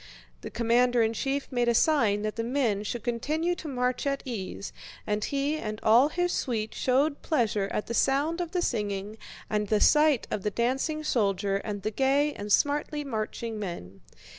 The commander in chief made a sign that the men should continue to march at ease, and he and all his suite showed pleasure at the sound of the singing and the sight of the dancing soldier and the gay and smartly marching men.